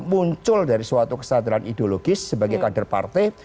muncul dari suatu kesadaran ideologis sebagai kader partai